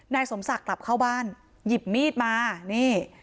นายสมศักดิ์กลับเข้าบ้านหยิบมีดมานี่